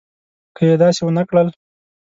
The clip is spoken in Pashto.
که یې داسې ونه کړل.